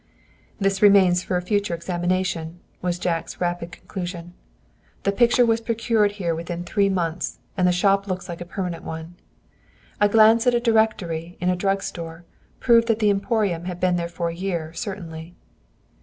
"This remains for a future examination," was Jack's rapid conclusion. "The picture was procured here within three months, and the shop looks like a permanent one." A glance at a Directory, in a drug store, proved that the Emporium had been there for a year, certainly.